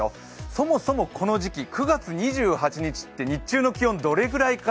そもそもこの時期、９月２８日って日中の気温、どれくらいか。